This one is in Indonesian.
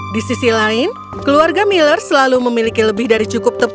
di sisi lain keluarga miller selalu memiliki lebih dari cukup tebal